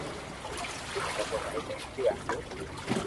پسي ڀائ تلسي آئيو